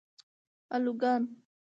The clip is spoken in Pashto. الوگان